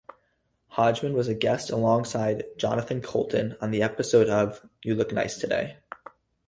Hodgman was a guest alongside Jonathan Coulton on episodes of "You Look Nice Today".